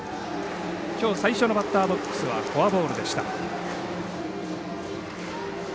きょう最初のバッターボックスはフォアボールでした。